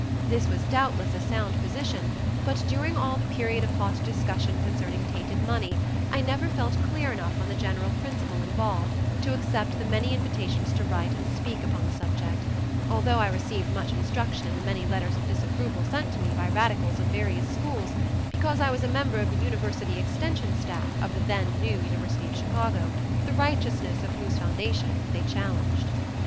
This was doubtless a sound position, but during all the period of hot discussion concerning tainted money I never felt clear enough on the general principle involved, to accept the many invitations to write and speak upon the subject, although I received much instruction in the many letters of disapproval sent to me by radicals of various schools because I was a member of the university extension staff of the then new University of Chicago, the righteousness of whose foundation they challenged.